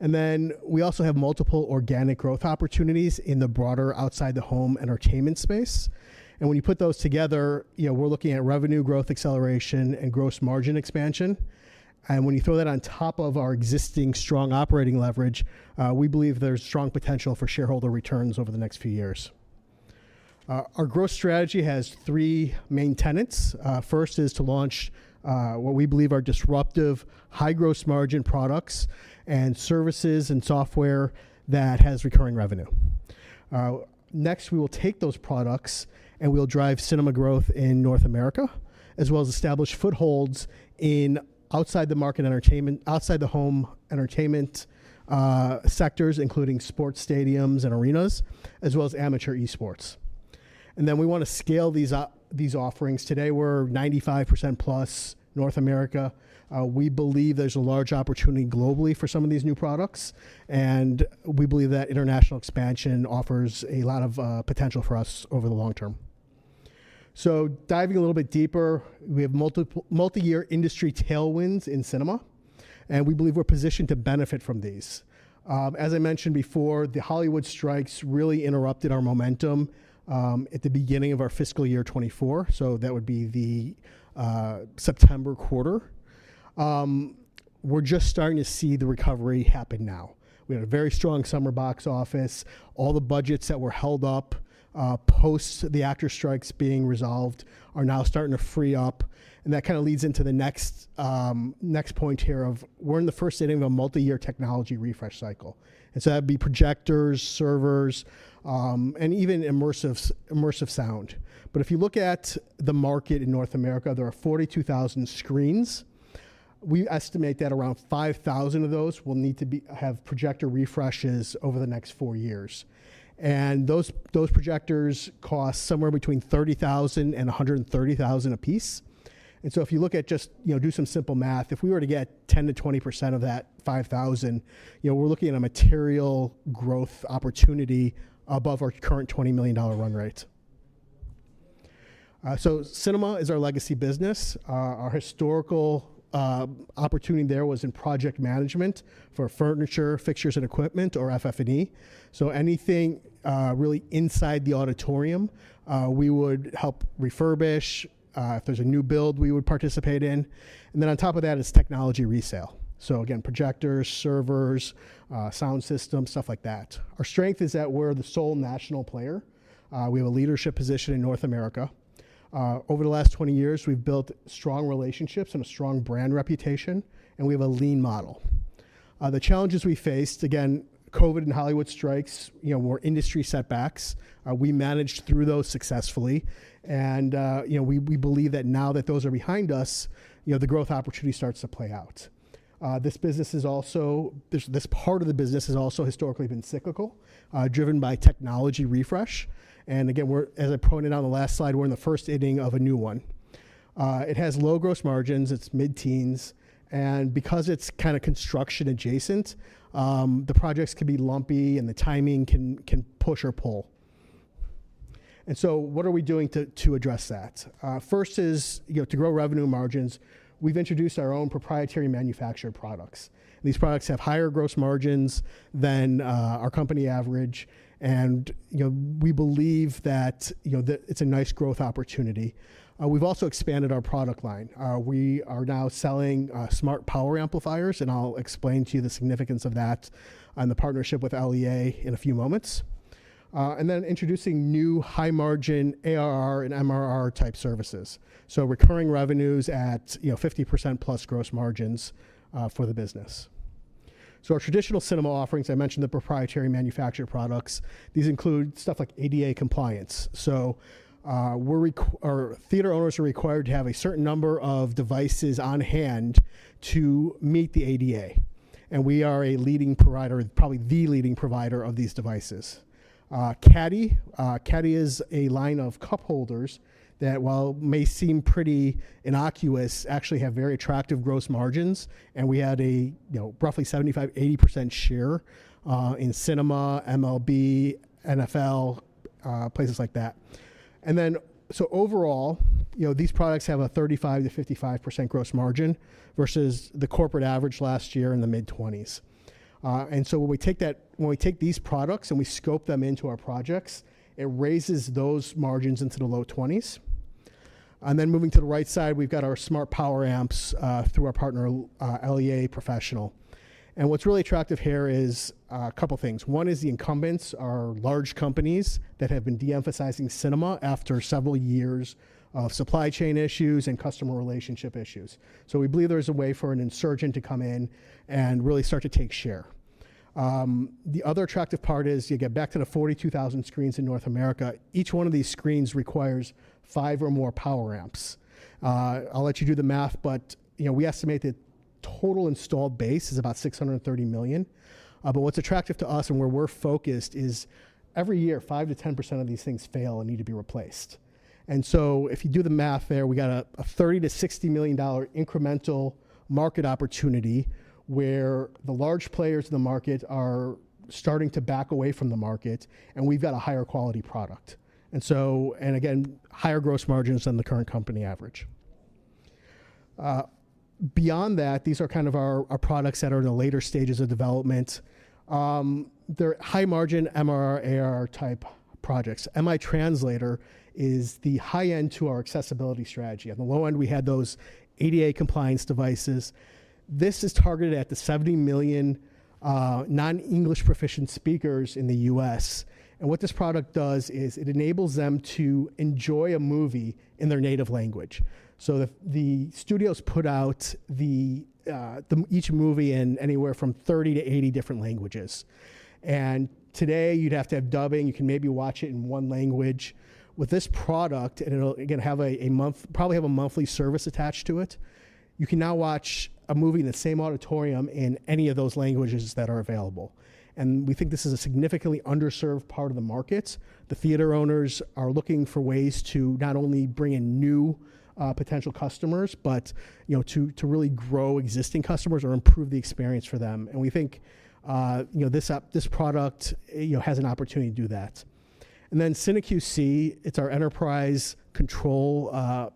And then we also have multiple organic growth opportunities in the broader outside-the-home entertainment space. And when you put those together, you know, we're looking at revenue growth acceleration and gross margin expansion. And when you throw that on top of our existing strong operating leverage, we believe there's strong potential for shareholder returns over the next few years. Our growth strategy has three main tenets. First is to launch what we believe are disruptive, high-gross margin products and services and software that has recurring revenue. Next, we will take those products and we'll drive cinema growth in North America, as well as establish footholds in outside-the-home entertainment sectors, including sports stadiums and arenas, as well as amateur esports. And then we want to scale these offerings. Today, we're 95% plus North America. We believe there's a large opportunity globally for some of these new products, and we believe that international expansion offers a lot of potential for us over the long term. So diving a little bit deeper, we have multi-year industry tailwinds in cinema, and we believe we're positioned to benefit from these. As I mentioned before, the Hollywood strikes really interrupted our momentum at the beginning of our fiscal year 2024, so that would be the September quarter. We're just starting to see the recovery happen now. We had a very strong summer box office. All the budgets that were held up post the actors' strikes being resolved are now starting to free up. And that kind of leads into the next point here of we're in the first inning of a multi-year technology refresh cycle. And so that'd be projectors, servers, and even immersive sound. But if you look at the market in North America, there are 42,000 screens. We estimate that around 5,000 of those will need to have projector refreshes over the next four years. And those projectors cost somewhere between $30,000 and $130,000 a piece. And so if you look at just, you know, do some simple math, if we were to get 10%-20% of that 5,000, you know, we're looking at a material growth opportunity above our current $20 million run rate. So cinema is our legacy business. Our historical opportunity there was in project management for furniture, fixtures, and equipment, or FF&E. So anything really inside the auditorium, we would help refurbish. If there's a new build, we would participate in. And then on top of that is technology resale. So again, projectors, servers, sound systems, stuff like that. Our strength is that we're the sole national player. We have a leadership position in North America. Over the last 20 years, we've built strong relationships and a strong brand reputation, and we have a lean model. The challenges we faced, again, COVID and Hollywood strikes, you know, were industry setbacks. We managed through those successfully. And, you know, we believe that now that those are behind us, you know, the growth opportunity starts to play out. This business is also, this part of the business has also historically been cyclical, driven by technology refresh. And again, we're, as I pointed out on the last slide, we're in the first inning of a new one. It has low gross margins. It's mid-teens. And because it's kind of construction adjacent, the projects can be lumpy and the timing can push or pull. And so what are we doing to address that? First is, you know, to grow revenue margins. We've introduced our own proprietary manufactured products. These products have higher gross margins than our company average, and, you know, we believe that, you know, it's a nice growth opportunity. We've also expanded our product line. We are now selling smart power amplifiers, and I'll explain to you the significance of that and the partnership with LEA in a few moments, and then introducing new high-margin ARR and MRR type services, so recurring revenues at, you know, 50% plus gross margins for the business, so our traditional cinema offerings. I mentioned the proprietary manufactured products. These include stuff like ADA compliance, so we're, our theater owners are required to have a certain number of devices on hand to meet the ADA, and we are a leading provider, probably the leading provider of these devices. Caddy. Caddy is a line of cup holders that, while may seem pretty innocuous, actually have very attractive gross margins. And we had a, you know, roughly 75%-80% share in cinema, MLB, NFL, places like that. And then, so overall, you know, these products have a 35%-55% gross margin versus the corporate average last year in the mid-20s. And so when we take that, when we take these products and we scope them into our projects, it raises those margins into the low 20s. And then moving to the right side, we've got our smart power amps through our partner, LEA Professional. And what's really attractive here is a couple of things. One is the incumbents are large companies that have been de-emphasizing cinema after several years of supply chain issues and customer relationship issues. We believe there's a way for an insurgent to come in and really start to take share. The other attractive part is you get back to the 42,000 screens in North America. Each one of these screens requires five or more power amps. I'll let you do the math, but, you know, we estimate the total installed base is about $630 million. But what's attractive to us and where we're focused is every year, 5%-10% of these things fail and need to be replaced. And so if you do the math there, we got a $30 million-$60 million incremental market opportunity where the large players in the market are starting to back away from the market, and we've got a higher quality product. And so, and again, higher gross margins than the current company average. Beyond that, these are kind of our products that are in the later stages of development. They're high margin MRR, ARR type projects. MiTranslator is the high end to our accessibility strategy. On the low end, we had those ADA compliance devices. This is targeted at the 70 million non-English proficient speakers in the U.S. And what this product does is it enables them to enjoy a movie in their native language. So the studios put out each movie in anywhere from 30-80 different languages. And today you'd have to have dubbing. You can maybe watch it in one language. With this product, and it'll, again, have a month, probably have a monthly service attached to it, you can now watch a movie in the same auditorium in any of those languages that are available. And we think this is a significantly underserved part of the market. The theater owners are looking for ways to not only bring in new potential customers, but, you know, to really grow existing customers or improve the experience for them, and we think, you know, this product, you know, has an opportunity to do that. And then CineQC, it's our enterprise control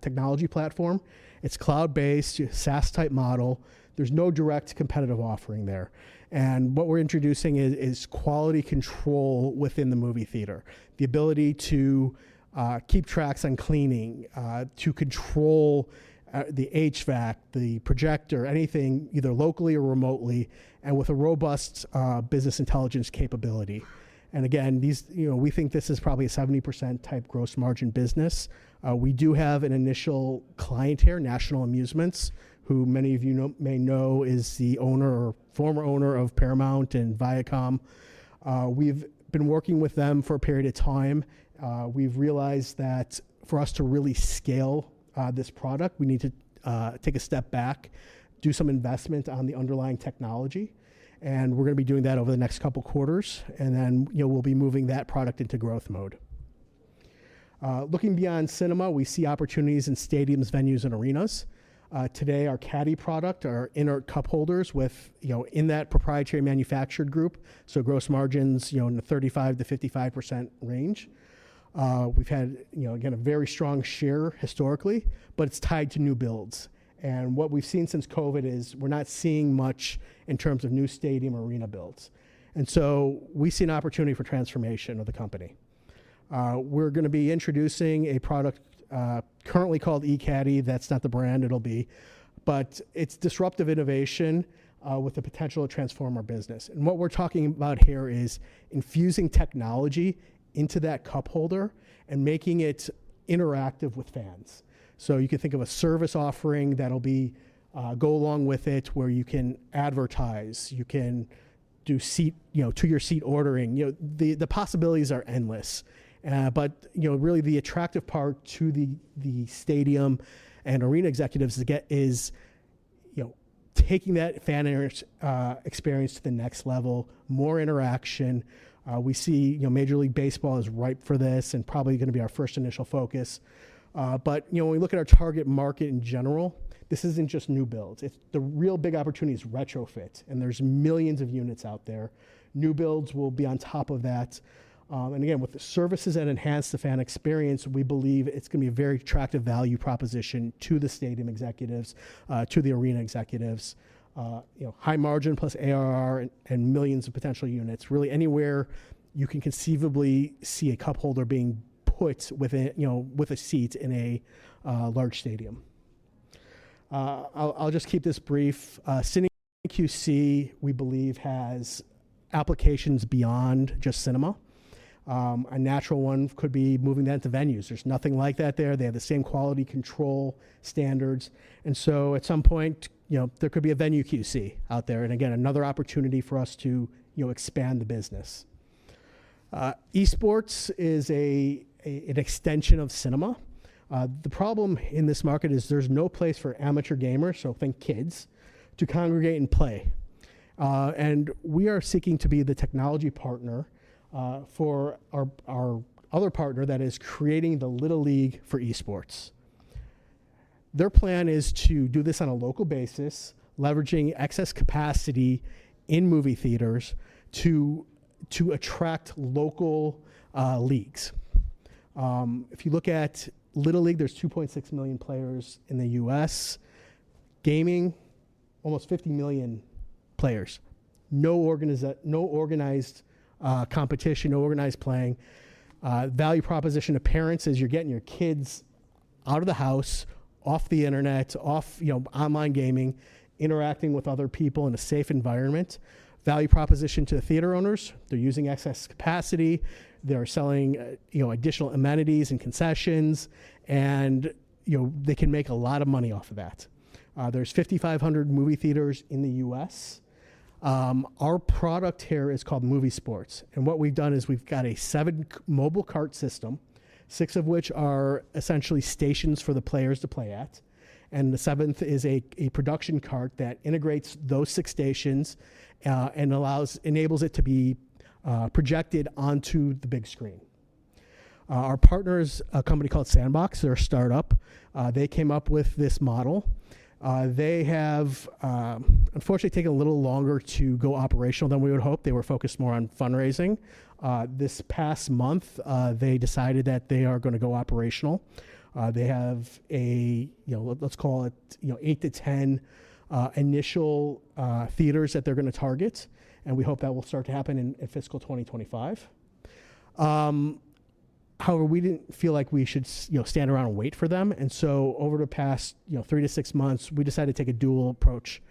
technology platform. It's cloud-based, SaaS type model. There's no direct competitive offering there, and what we're introducing is quality control within the movie theater, the ability to keep track on cleaning, to control the HVAC, the projector, anything either locally or remotely, and with a robust business intelligence capability. And again, these, you know, we think this is probably a 70% type gross margin business. We do have an initial client here, National Amusements, who many of you may know is the owner or former owner of Paramount and Viacom. We've been working with them for a period of time. We've realized that for us to really scale this product, we need to take a step back, do some investment on the underlying technology. And we're going to be doing that over the next couple of quarters. And then, you know, we'll be moving that product into growth mode. Looking beyond cinema, we see opportunities in stadiums, venues, and arenas. Today, our Caddy product, our in-seat cup holders with, you know, in that proprietary manufactured group. So gross margins, you know, in the 35%-55% range. We've had, you know, again, a very strong share historically, but it's tied to new builds. And what we've seen since COVID is we're not seeing much in terms of new stadium arena builds. And so we see an opportunity for transformation of the company. We're going to be introducing a product currently called eCaddy. That's not the brand. It'll be, but it's disruptive innovation with the potential to transform our business, and what we're talking about here is infusing technology into that cup holder and making it interactive with fans, so you can think of a service offering that'll go along with it where you can advertise, you can do seat, you know, two-year seat ordering. You know, the possibilities are endless, but, you know, really the attractive part to the stadium and arena executives is, you know, taking that fan experience to the next level, more interaction. We see, you know, Major League Baseball is ripe for this and probably going to be our first initial focus, but, you know, when we look at our target market in general, this isn't just new builds. The real big opportunity is retrofit, and there's millions of units out there. New builds will be on top of that, and again, with the services that enhance the fan experience, we believe it's going to be a very attractive value proposition to the stadium executives, to the arena executives. You know, high margin plus ARR and millions of potential units, really anywhere you can conceivably see a cup holder being put with a, you know, with a seat in a large stadium. I'll just keep this brief. CineQC, we believe, has applications beyond just cinema. A natural one could be moving them to venues. There's nothing like that there. They have the same quality control standards, and so at some point, you know, there could be a venue QC out there, and again, another opportunity for us to, you know, expand the business. Esports is an extension of cinema. The problem in this market is there's no place for amateur gamers, so think kids, to congregate and play, and we are seeking to be the technology partner for our other partner that is creating the Little League for esports. Their plan is to do this on a local basis, leveraging excess capacity in movie theaters to attract local leagues. If you look at Little League, there's 2.6 million players in the U.S. Gaming, almost 50 million players. No organized competition, no organized playing. Value proposition to parents is you're getting your kids out of the house, off the internet, off, you know, online gaming, interacting with other people in a safe environment. Value proposition to the theater owners, they're using excess capacity. They're selling, you know, additional amenities and concessions, and, you know, they can make a lot of money off of that. There's 5,500 movie theaters in the U.S. Our product here is called MovEsports, and what we've done is we've got a seven mobile cart system, six of which are essentially stations for the players to play at, and the seventh is a production cart that integrates those six stations and allows, enables it to be projected onto the big screen. Our partner is a company called SNDBX. They're a startup. They came up with this model. They have, unfortunately, taken a little longer to go operational than we would hope. They were focused more on fundraising. This past month, they decided that they are going to go operational. They have a, you know, let's call it, you know, eight to 10 initial theaters that they're going to target, and we hope that will start to happen in fiscal 2025. However, we didn't feel like we should, you know, stand around and wait for them, and so over the past, you know, three to six months, we decided to take a dual approach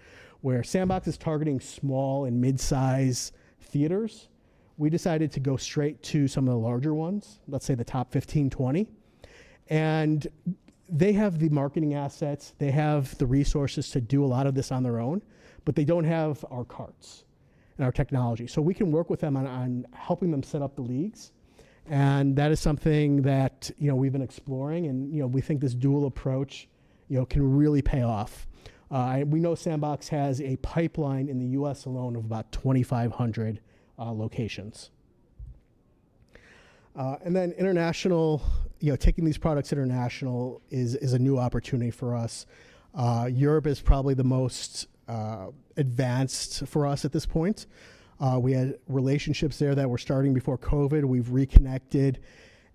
where SNDBX is targeting small and mid-size theaters. We decided to go straight to some of the larger ones, let's say the top 15-20, and they have the marketing assets. They have the resources to do a lot of this on their own, but they don't have our carts and our technology, so we can work with them on helping them set up the leagues, and that is something that, you know, we've been exploring, and, you know, we think this dual approach, you know, can really pay off. We know SNDBX has a pipeline in the U.S. alone of about 2,500 locations. And then international, you know, taking these products international is a new opportunity for us. Europe is probably the most advanced for us at this point. We had relationships there that were starting before COVID. We've reconnected.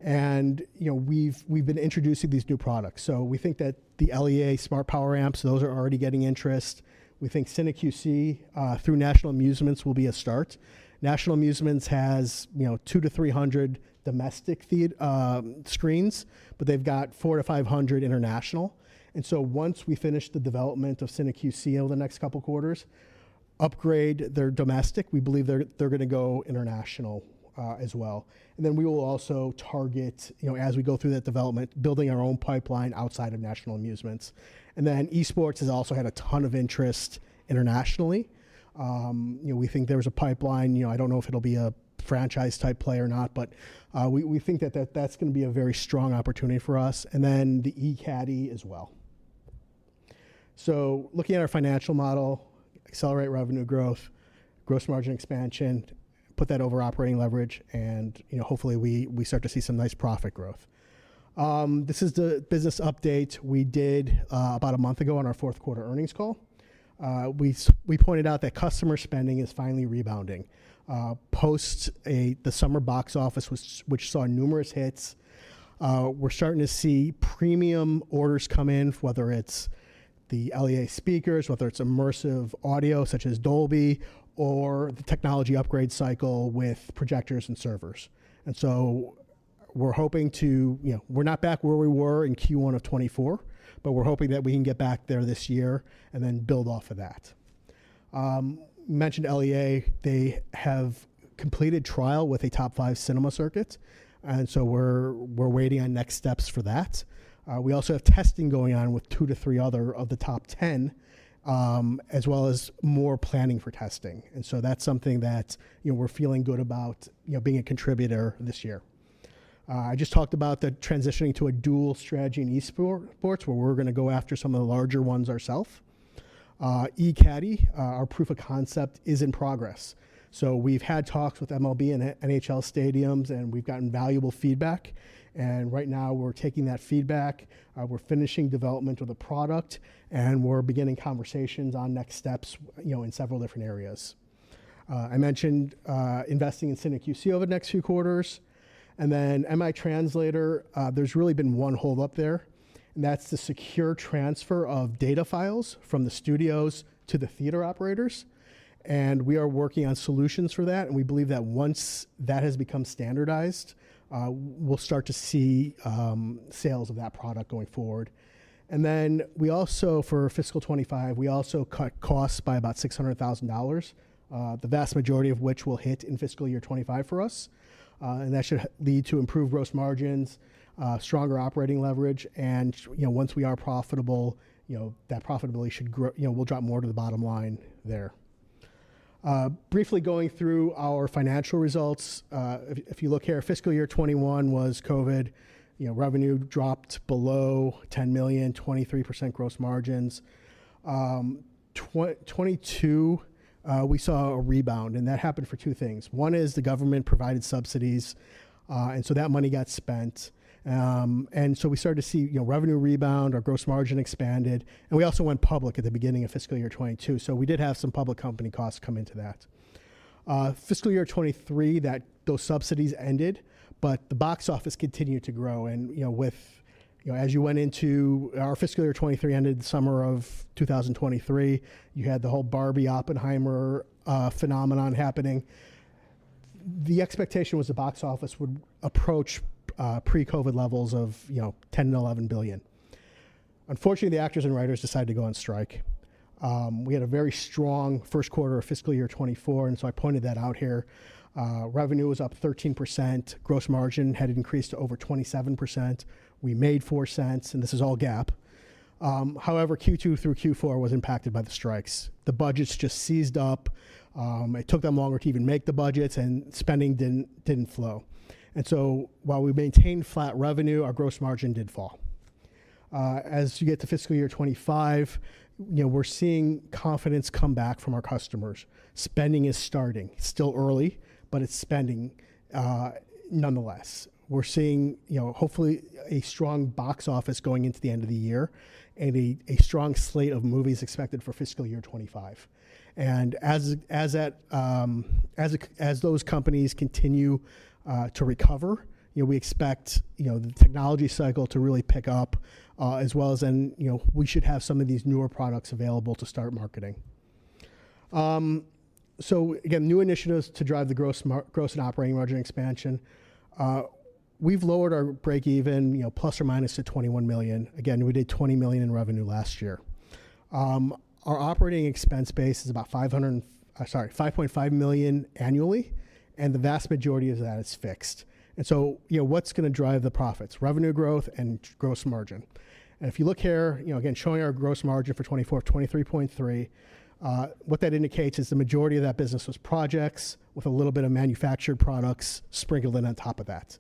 And, you know, we've been introducing these new products. So we think that the LEA Smart Power Amps, those are already getting interest. We think CineQC through National Amusements will be a start. National Amusements has, you know, 200-300 domestic screens, but they've got 400-500 international. And so once we finish the development of CineQC over the next couple of quarters, upgrade their domestic, we believe they're going to go international as well. And then we will also target, you know, as we go through that development, building our own pipeline outside of National Amusements. And then esports has also had a ton of interest internationally. You know, we think there's a pipeline. You know, I don't know if it'll be a franchise type play or not, but we think that that's going to be a very strong opportunity for us, and then the eCaddy as well, so looking at our financial model, accelerate revenue growth, gross margin expansion, put that over operating leverage, and, you know, hopefully we start to see some nice profit growth. This is the business update we did about a month ago on our fourth quarter earnings call. We pointed out that customer spending is finally rebounding post the summer box office, which saw numerous hits. We're starting to see premium orders come in, whether it's the LEA speakers, whether it's immersive audio such as Dolby, or the technology upgrade cycle with projectors and servers. And so we're hoping to, you know, we're not back where we were in Q1 of 2024, but we're hoping that we can get back there this year and then build off of that. Mentioned LEA, they have completed trial with a top five cinema circuit. And so we're waiting on next steps for that. We also have testing going on with two to three other of the top ten, as well as more planning for testing. And so that's something that, you know, we're feeling good about, you know, being a contributor this year. I just talked about the transitioning to a dual strategy in esports, where we're going to go after some of the larger ones ourselves. eCaddy, our proof of concept is in progress. So we've had talks with MLB and NHL stadiums, and we've gotten valuable feedback. And right now we're taking that feedback. We're finishing development of the product, and we're beginning conversations on next steps, you know, in several different areas. I mentioned investing in CineQC over the next few quarters. And then MiTranslator, there's really been one hold-up there. And that's the secure transfer of data files from the studios to the theater operators. And we are working on solutions for that. And we believe that once that has become standardized, we'll start to see sales of that product going forward. And then we also, for fiscal 2025, we also cut costs by about $600,000, the vast majority of which will hit in fiscal year 2025 for us. And that should lead to improved gross margins, stronger operating leverage. And, you know, once we are profitable, you know, that profitability should grow, you know, we'll drop more to the bottom line there. Briefly going through our financial results, if you look here, fiscal year 2021 was COVID, you know, revenue dropped below $10 million, 23% gross margins. 2022, we saw a rebound. And that happened for two things. One is the government provided subsidies. And so that money got spent. And so we started to see, you know, revenue rebound, our gross margin expanded. And we also went public at the beginning of fiscal year 2022. So we did have some public company costs come into that. Fiscal year 2023, those subsidies ended, but the box office continued to grow. And, you know, with, you know, as you went into our fiscal year 2023 ended the summer of 2023, you had the whole Barbie Oppenheimer phenomenon happening. The expectation was the box office would approach pre-COVID levels of, you know, $10 billion and $11 billion. Unfortunately, the actors and writers decided to go on strike. We had a very strong first quarter of fiscal year 2024, and so I pointed that out here. Revenue was up 13%. Gross margin had increased to over 27%. We made $0.04. And this is all GAAP. However, Q2 through Q4 was impacted by the strikes. The budgets just seized up. It took them longer to even make the budgets, and spending didn't flow. And so while we maintained flat revenue, our gross margin did fall. As you get to fiscal year 2025, you know, we're seeing confidence come back from our customers. Spending is starting. It's still early, but it's spending nonetheless. We're seeing, you know, hopefully a strong box office going into the end of the year and a strong slate of movies expected for fiscal year 2025. As those companies continue to recover, you know, we expect, you know, the technology cycle to really pick up as well as, and, you know, we should have some of these newer products available to start marketing. Again, new initiatives to drive the gross and operating margin expansion. We've lowered our break-even, you know, plus or minus to $21 million. Again, we did $20 million in revenue last year. Our operating expense base is about 500, sorry, $5.5 million annually. And the vast majority of that is fixed. And so, you know, what's going to drive the profits? Revenue growth and gross margin. And if you look here, you know, again, showing our gross margin for 2024 of 23.3%, what that indicates is the majority of that business was projects with a little bit of manufactured products sprinkled in on top of that.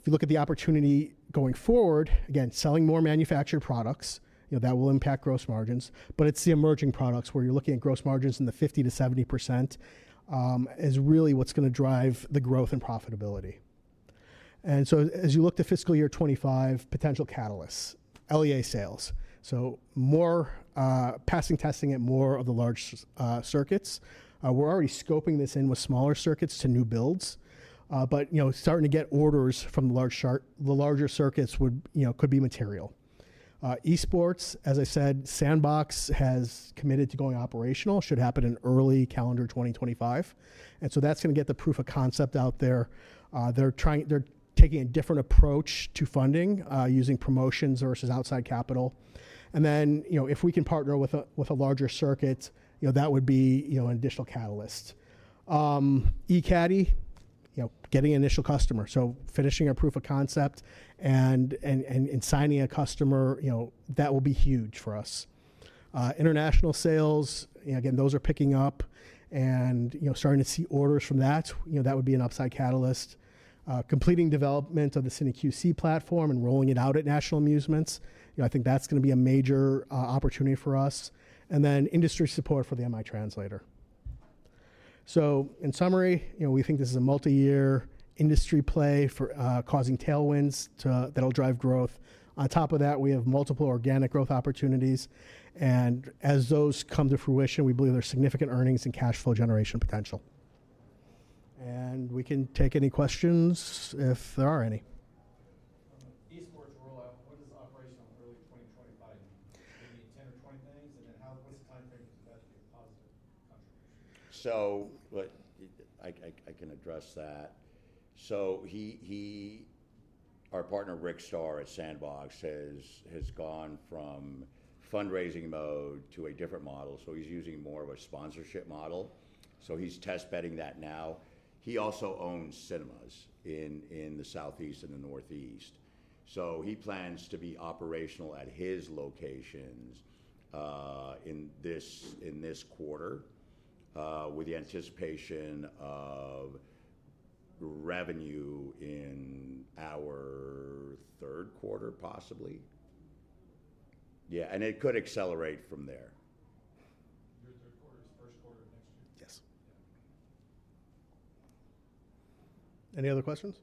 If you look at the opportunity going forward, again, selling more manufactured products, you know, that will impact gross margins. But it's the emerging products where you're looking at gross margins in the 50%-70% is really what's going to drive the growth and profitability. And so as you look to fiscal year 2025, potential catalysts, LEA sales. So more passing testing at more of the large circuits. We're already scoping this in with smaller circuits to new builds. But, you know, starting to get orders from the large circuits would, you know, could be material. Esports, as I said, SNDBX has committed to going operational. Should happen in early calendar 2025. And so that's going to get the proof of concept out there. They're trying, they're taking a different approach to funding using promotions versus outside capital. And then, you know, if we can partner with a larger circuit, you know, that would be, you know, an additional catalyst. eCaddy, you know, getting initial customer. So finishing our proof of concept and signing a customer, you know, that will be huge for us. International sales, you know, again, those are picking up and, you know, starting to see orders from that. You know, that would be an upside catalyst. Completing development of the CineQC platform and rolling it out at National Amusements. You know, I think that's going to be a major opportunity for us. And then industry support for the MiTranslator. So in summary, you know, we think this is a multi-year industry play for causing tailwinds that'll drive growth. On top of that, we have multiple organic growth opportunities. As those come to fruition, we believe there's significant earnings and cash flow generation potential. We can take any questions if there are any. Esports rollout, what does operational early 2025 mean? Maybe 10 or 20 things. And then how, what's the timeframe to invest in positive contributions? But I can address that. So our partner, Rick Starr at SNDBX, has gone from fundraising mode to a different model. So he's using more of a sponsorship model. So he's testing that now. He also owns cinemas in the Southeast and the Northeast. So he plans to be operational at his locations in this quarter with the anticipation of revenue in our third quarter, possibly. Yeah. And it could accelerate from there. Your third quarter is first quarter of next year? Yes. Yeah. Any other questions?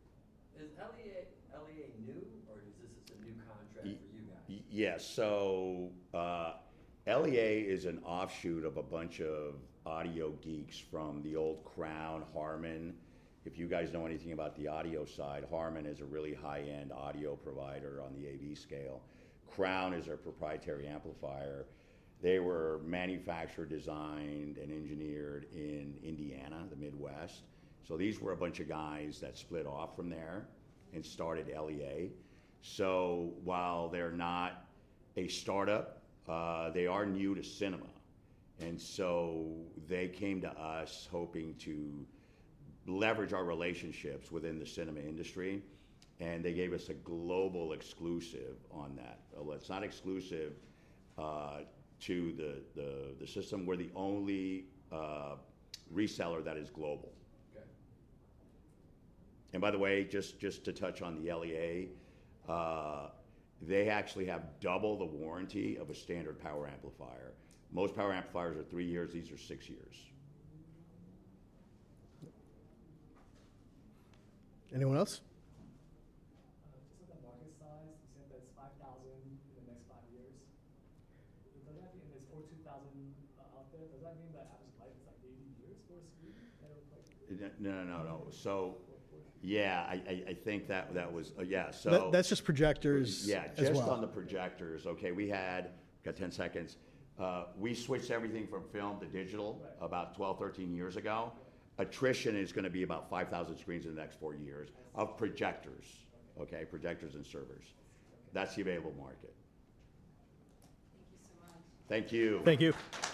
Is LEA new or is this a new contract for you guys? Yes. So LEA is an offshoot of a bunch of audio geeks from the old Crown, HARMAN. If you guys know anything about the audio side, HARMAN is a really high-end audio provider on the AV scale. Crown is our proprietary amplifier. They were manufactured, designed, and engineered in Indiana, the Midwest. So these were a bunch of guys that split off from there and started LEA. So while they're not a startup, they are new to cinema. And so they came to us hoping to leverage our relationships within the cinema industry. And they gave us a global exclusive on that. It's not exclusive to the system. We're the only reseller that is global. And by the way, just to touch on the LEA, they actually have double the warranty of a standard power amplifier. Most power amplifiers are three years. These are six years. Anyone else? Just on the market size, you said that it's 5,000 in the next five years. Does that mean if it's 42,000 out there, does that mean that average life is like 80 years for a screen that will play? No, no, no, no. So yeah, I think that was, yeah. So that's just projectors. Yeah, just on the projectors. Okay. We had, got 10 seconds. We switched everything from film to digital about 12, 13 years ago. Attrition is going to be about 5,000 screens in the next four years of projectors. Okay. Projectors and servers. That's the available market. Thank you so much. Thank you. Thank you.